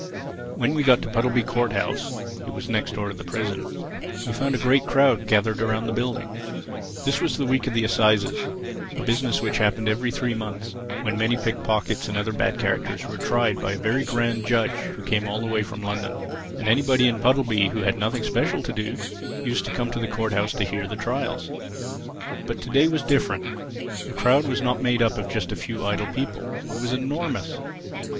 When we got to Puddleby Court house (it was next door to the prison), we found a great crowd gathered around the building. This was the week of the Assizes—a business which happened every three months, when many pick pockets and other bad characters were tried by a very grand judge who came all the way from London. And anybody in Puddleby who had nothing special to do used to come to the Court house to hear the trials. But to day it was different. The crowd was not made up of just a few idle people. It was enormous.